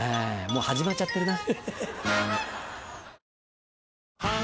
もう始まっちゃってるな。